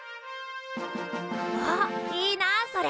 わっいいなそれ。